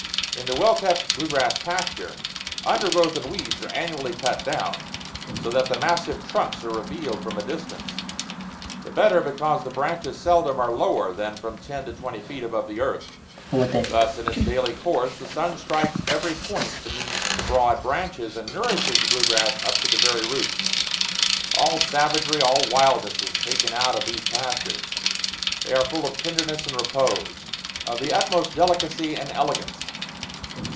In the well kept blue grass pasture undergrowth and weeds are annually cut down, so that the massive trunks are revealed from a distance; the better because the branches seldom are lower than from ten to twenty feet above the earth. Thus in its daily course the sun strikes every point beneath the broad branches, and nourishes the blue grass up to the very roots. All savagery, all wildness, is taken out of these pastures; they are full of tenderness and repose of the utmost delicacy and elegance.